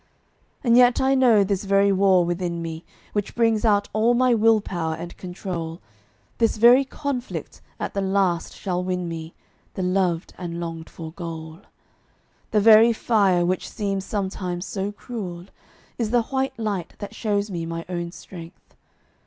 And yet I know this very war within me, Which brings out all my will power and control, This very conflict at the last shall win me The loved and longed for goal. The very fire which seems sometimes so cruel Is the white light that shows me my own strength.